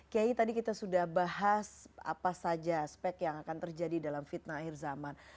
kiai tadi kita sudah bahas apa saja aspek yang akan terjadi dalam fitnah akhir zaman